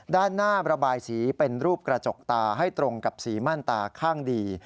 ด้านหน้าระบายสีเป็นรูปกระจกตาให้ตรงกับสีมั่นตาข้างดี